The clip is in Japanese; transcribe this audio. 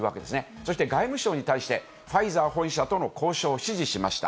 そして外務省に対して、ファイザー本社との交渉を指示しました。